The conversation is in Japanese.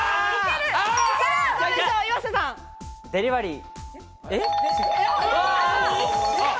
デリバリー。